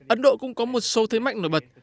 ấn độ cũng có một số thế mạnh nổi bật